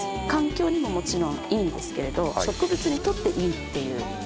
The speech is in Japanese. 環境にももちろんいいんですけれど、植物にとってもいいっていう。